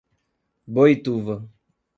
Boituva